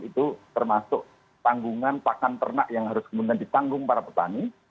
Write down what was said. itu termasuk tanggungan pakan ternak yang harus kemudian ditanggung para petani